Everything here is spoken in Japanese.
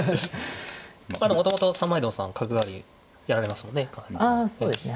もともと三枚堂さん角換わりやられますもんね。